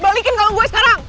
balikin tanggung gue sekarang